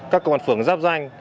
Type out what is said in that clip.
các quận phường giáp danh